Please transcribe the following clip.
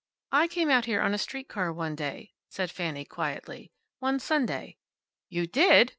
"I came out here on the street car one day," said Fanny, quietly. "One Sunday." "You did!"